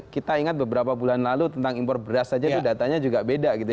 kita ingat beberapa bulan lalu tentang impor beras saja itu datanya juga beda gitu